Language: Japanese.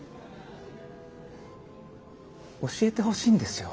教えてほしいんですよ